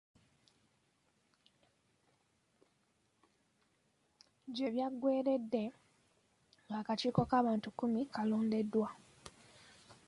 Gye byaggweeredde ng'akakiiko k'abantu kkumi kaalondeddwa